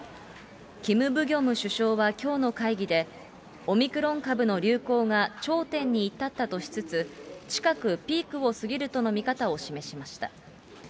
キム・ブギョム首相はきょうの会議で、オミクロン株の流行が頂点に至ったとしつつ、近くピークを過ぎるとの見方を示しました。